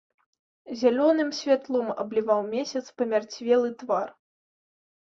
Зялёным святлом абліваў месяц памярцвелы твар.